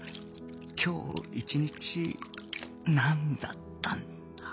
今日一日なんだったんだ